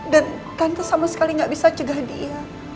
dan tante sama sekali gak bisa cegah dia